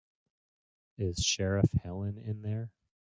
Is Sheriff Helen in there?